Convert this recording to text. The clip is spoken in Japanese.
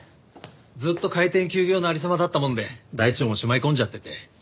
ずっと開店休業の有り様だったもんで台帳もしまい込んじゃってて。